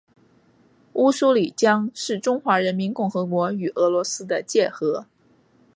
乌苏里江是中华人民共和国与俄罗斯的界河。